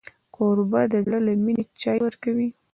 کوربه د زړه له مینې چای ورکوي.